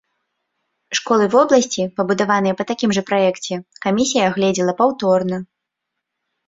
Школы вобласці, пабудаваныя па такім жа праекце, камісія агледзела паўторна.